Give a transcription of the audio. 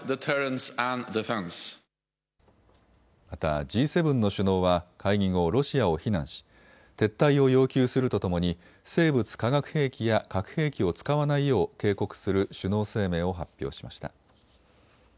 またＧ７の首脳は会議後、ロシアを非難し撤退を要求するとともに生物・化学兵器や核兵器を使わないよう警告する首脳声明を発表しました。